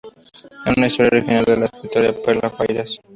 Es una historia original de la escritora Perla Farías.